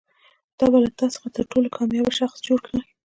دا به له تا څخه تر ټولو کامیاب شخص جوړ کړي.